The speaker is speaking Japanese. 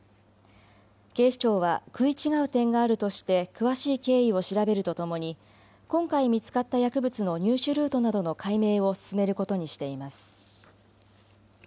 警視庁は食い違う点があるとして詳しい経緯を調べるとともに今回見つかった薬物の入手ルートなどの解明を進めることにしています。